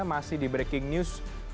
masih di breaking news